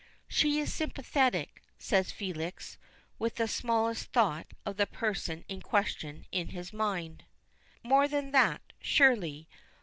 "She is sympathetic," says Felix, with the smallest thought of the person in question in his mind. "More than that, surely.